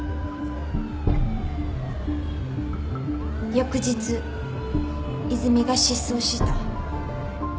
翌日泉が失踪した。